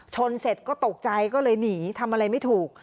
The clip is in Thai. ชนเสร็จก็ตกใจก็เลยหนีทำอะไรไม่ถูก